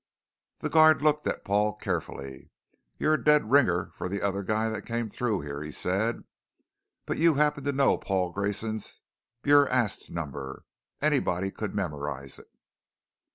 The guard looked at Paul carefully. "You're a dead ringer for the other guy that came through here," he said. "But you happen to know Paul Grayson's BurAst number. Anybody could memorize it."